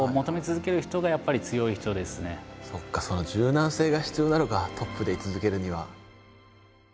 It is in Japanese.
その柔軟性が必要なのかトップで居続けるには。